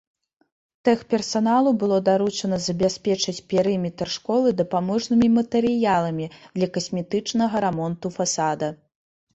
Тэхперсаналу было даручана забяспечыць перыметр школы дапаможнымі матэрыяламі для касметычнага рамонту фасада.